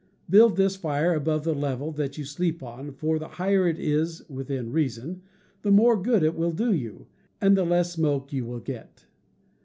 Build this fire above the level that you sleep on, for the higher it is (within reason) the more good it will do you, and the less smoke you will get.